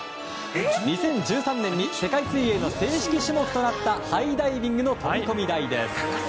２０１３年に世界水泳の正式種目となったハイダイビングの飛込台です。